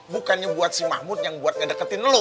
bukannya buat si mahmud yang buat ngedeketin lo